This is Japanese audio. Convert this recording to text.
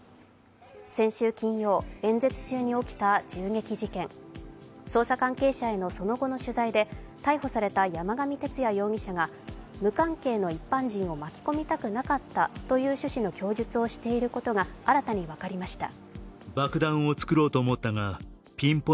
先週金曜、演説中に起きた銃撃事件捜査関係者へのその後の取材で、逮捕された山上徹也容疑者が無関係の一般人を巻き込みたくなかったという趣旨の供述をしていることが新たに分かりました。